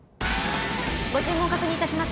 ご注文確認致します。